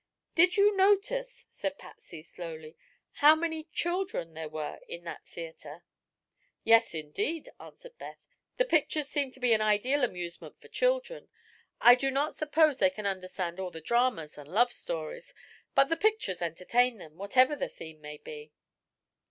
"Did you notice," said Patsy, slowly, "how many children there were in that theatre?" "Yes, indeed," answered Beth. "The pictures seem to be an ideal amusement for children. I do not suppose they can understand all the dramas and love stories, but the pictures entertain them, whatever the theme may be."